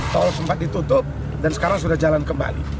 tol sempat ditutup dan sekarang sudah jalan kembali